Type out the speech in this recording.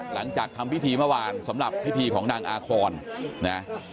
หลังจากทำพิธีเมื่อวานสำหรับพิธีของนางอาคอนนะ